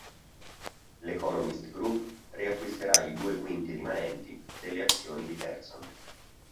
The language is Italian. L’Economist Group riacquisterà i due quinti rimanenti delle azioni di Pearson.